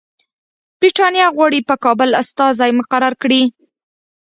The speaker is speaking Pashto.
برټانیه غواړي په کابل استازی مقرر کړي.